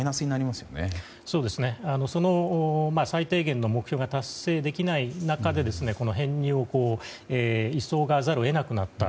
その最低限の目標が達成できない中でこの編入を急がざるを得なくなった。